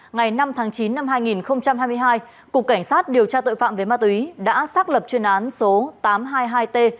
ngày năm tháng chín năm hai nghìn hai mươi hai cục cảnh sát điều tra tội phạm về ma túy đã xác lập chuyên án số tám trăm hai mươi hai t